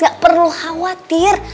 gak perlu khawatir